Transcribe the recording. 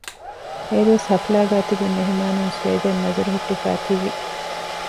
އޭރުވެސް ހަފްލާގައި ތިބި މެހެމާނުން ސްޓޭޖަށް ނަޒަރު ހުއްޓިފައި ތިވި